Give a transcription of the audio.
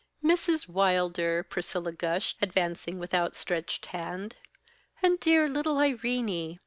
"Mrs. Wilder!" Priscilla gushed, advancing with outstretched hand, "and dear little Irene!